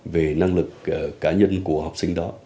về năng lực cá nhân của học sinh đó